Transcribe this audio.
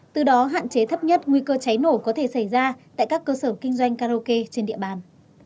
từ đó hạn chế thấp nhất nguy cơ cháy nổ có thể xảy ra tại các cơ sở kinh doanh karaoke trên địa bàn